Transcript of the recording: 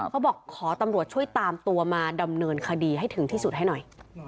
เขาบอกขอตำรวจช่วยตามตัวมาดำเนินคดีให้ถึงที่สุดให้หน่อย